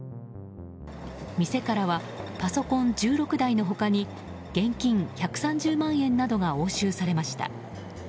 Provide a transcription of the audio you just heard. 店からはパソコン１６台の他に現金１３０万円などが押収されました。